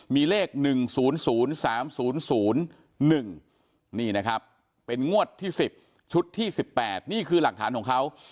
มีเลข๑๐๐๓๐๐๑นี่นะครับเป็นงวดที่๑๐ชุดที่๑๘นี่คือหลักฐานของเขา